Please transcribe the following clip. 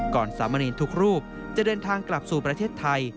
สามเณรทุกรูปจะเดินทางกลับสู่ประเทศไทย